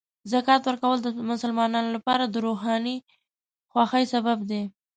زکات ورکول د مسلمانانو لپاره د روحاني خوښۍ سبب دی.